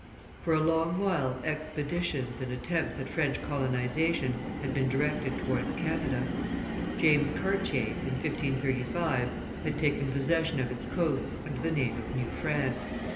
For a long while expeditious and attempts at French colonization had been directed towards Canada. James Cartier, in 1535, had taken possession of its coasts under the name of New France.